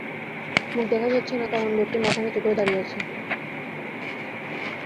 মুখ দেখা যাচ্ছে না, কারণ লোকটি মাথা নিচু করে দাঁড়িয়ে আছে।